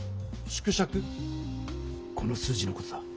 この数字の事だ。